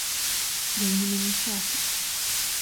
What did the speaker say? Я именно несчастна.